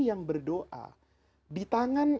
yang berdoa di tangan